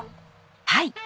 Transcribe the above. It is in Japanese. はい。